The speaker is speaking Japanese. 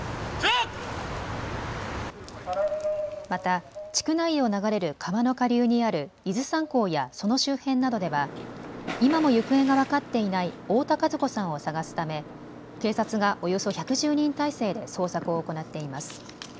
また地区内を流れる川の下流にある伊豆山港やその周辺などでは今も行方が分かっていない太田和子さんを捜すため警察がおよそ１１０人態勢で捜索を行っています。